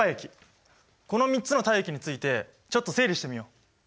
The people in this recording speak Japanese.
この３つの体液についてちょっと整理してみよう！